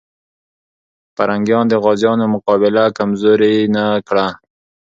پرنګیان د غازيانو مقابله کمزوري نه کړه.